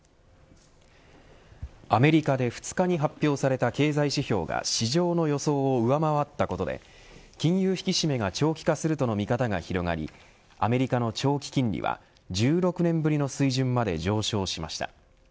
アメリカで２日に発表された経済指標が市場の予想を上回ったことで金融引き締めが長期化するとの見方が広がりアメリカの長期金利は１６年ぶりの水準まで上昇しました。